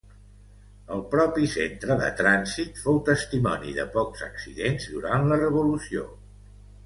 El propi centre de trànsit fou testimoni de pocs accidents durant la revolució.